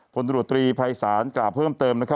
ผลโดรตรีภายศาลกราบเพิ่มเติมนะครับ